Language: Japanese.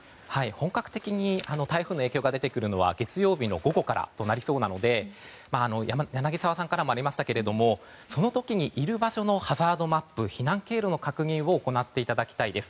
本格的に台風の影響が出てくるのは月曜日の午後からとなりそうなので柳澤さんからもありましたけどもその時にいる場所のハザードマップ避難経路の確認を行っていただきたいです。